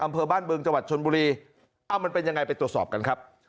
อำเภอบ้านบึงจังหวัดชนบุรีเอ้ามันเป็นยังไงไปตรวจสอบกันครับ